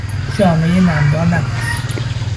جامهی نمدار نپوش!